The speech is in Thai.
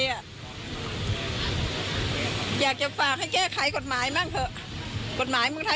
อยากจะฝากให้แก้ไขกฎหมายมั่งเถอะ